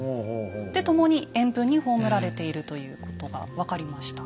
で共に円墳に葬られているということが分かりました。